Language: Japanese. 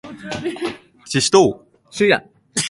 次止まります。